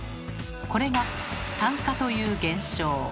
これが「酸化」という現象。